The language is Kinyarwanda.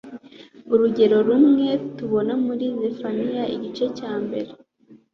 urugero rumwe tubona muri zefaniya igice cya mbre